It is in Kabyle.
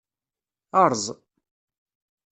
Erẓ.